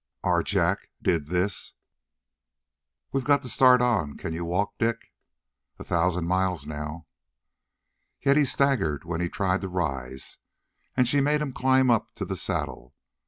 "Our Jack did this?" "We've got to start on. Can you walk, Dick?" "A thousand miles now." Yet he staggered when he tried to rise, and she made him climb up to the saddle.